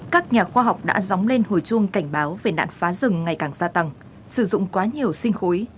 các nhà khoa học đã dóng lên hồi chuông cảnh báo về nạn phá rừng ngày càng gia tăng sử dụng quá nhiều sinh khối